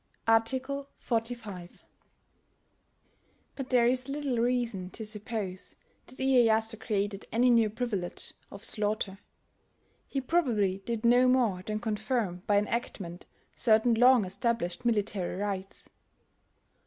[Art. 45.] But there is little reason to suppose that Iyeyasu created any new privilege of slaughter: he probably did no more than confirm by enactment certain long established military rights.